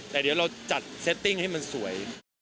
แต่เดี๋ยวเราจัดเซตติ้งให้มันสวย